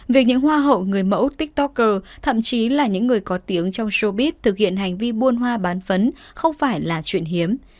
việc những hoa hậu người mẫu tiktoker thậm chí là những người có tiếng trong sôbit thực hiện hành vi buôn hoa bán phấn không phải là chuyện hiếm